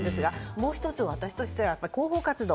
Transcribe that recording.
もう１つ、私としては広報活動。